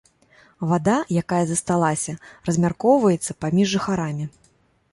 Вада, якая засталася, размяркоўваецца паміж жыхарамі.